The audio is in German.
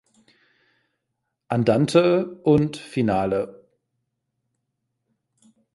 Andante & Finale op.